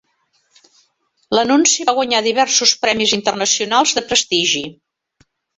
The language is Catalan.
L'anunci va guanyar diversos premis internacionals de prestigi.